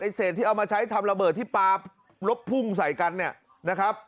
เศษที่เอามาใช้ทำระเบิดที่ปลารบพุ่งใส่กันเนี่ยนะครับ